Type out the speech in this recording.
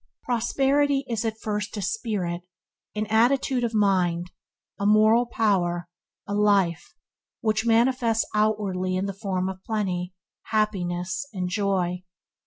Prosperity is at first a spirit, an attitude of mind, a moral power, a life, which manifests outwardly in the form of plenty, happiness, joy.